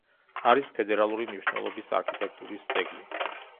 არის ფედერალური მნიშვნელობის არქიტექტურის ძეგლი.